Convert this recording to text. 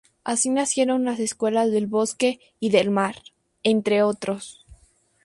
Así nacieron las escuelas del Bosque y del Mar, entre otros.